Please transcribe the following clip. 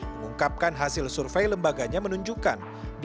mengungkapkan hasil survei lembaganya menunjukkan